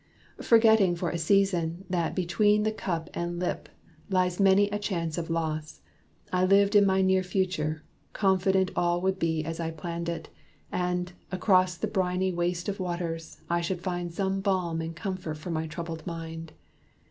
Forgetting for a season, that between The cup and lip lies many a chance of loss, I lived in my near future, confident All would be as I planned it; and, across The briny waste of waters, I should find Some balm and comfort for my troubled mind.